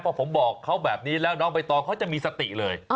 เพราะผมบอกเขาแบบนี้แล้วน้องใบตองเขาจะมีสติเลย